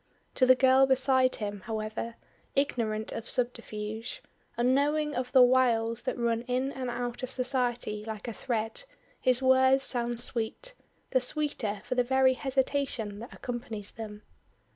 To the girl beside him, however, ignorant of subterfuge, unknowing of the wiles that run in and out of society like a thread, his words sound sweet the sweeter for the very hesitation that accompanies them.